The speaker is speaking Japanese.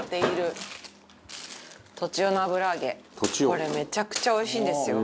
これめちゃくちゃおいしいんですよ。